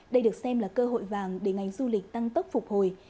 đây được xem là cơ hội vàng để ngành du lịch tăng tốc phục hồi